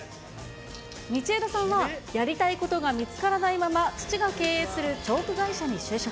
道枝さんはやりたいことが見つからないまま、父が経営するチョーク会社に就職。